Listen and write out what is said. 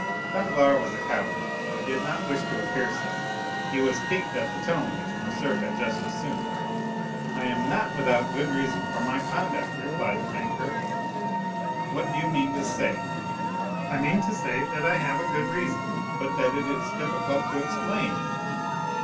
Danglars was a coward, but did not wish to appear so; he was piqued at the tone which Morcerf had just assumed. "I am not without a good reason for my conduct," replied the banker. "What do you mean to say?" "I mean to say that I have a good reason, but that it is difficult to explain."